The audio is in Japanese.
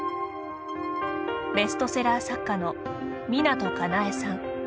ベストセラー作家の湊かなえさん。